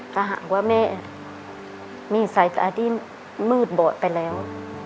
ถ้าหากว่าแม่มีสายตาที่มืดบอดไปแล้ว